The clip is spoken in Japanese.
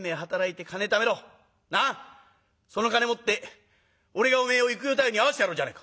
その金持って俺がおめえを幾代太夫に会わせてやろうじゃねえか」。